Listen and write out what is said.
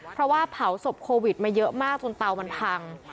เพราะว่าเผาศพโควิดมาเยอะมากจนเตามันพัง